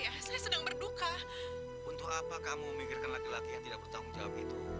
aku turunkan cinta semoga kau kuat dan tak b ultimately menghadapinya